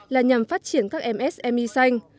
là nhằm phát triển các msmi xanh